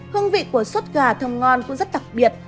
hương vị của suất gà thơm ngon cũng rất đặc biệt